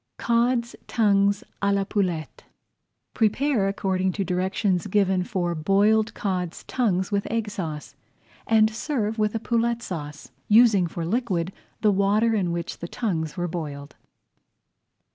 CODS' TONGUES À LA POULETTE Prepare according to directions given for boiled Cods' Tongues with Egg Sauce and serve with a Poulette Sauce, using for liquid the water in which the tongues were boiled.